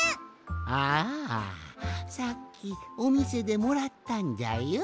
ああさっきおみせでもらったんじゃよ。